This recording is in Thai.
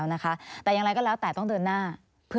จะไม่ได้มาในสมัยการเลือกตั้งครั้งนี้แน่